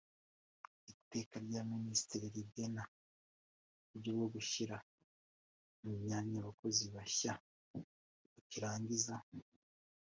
Iteka rya Minisitiri rigena uburyo bwo gushyira mu myanya abakozi bashya bakirangiza